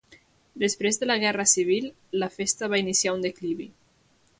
Després de la Guerra Civil la festa va iniciar un declivi.